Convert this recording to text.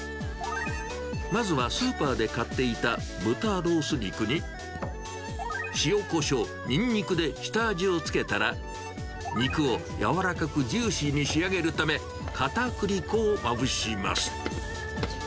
まずはスーパーで買っていた豚ロース肉に、塩コショウ、ニンニクで下味をつけたら、肉を柔らかくジューシーに仕上げるためかたくり粉をまぶします。